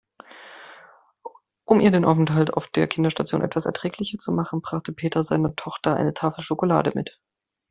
Um ihr den Aufenthalt auf der Kinderstation etwas erträglicher zu machen, brachte Peter seiner Tochter eine Tafel Schokolade mit.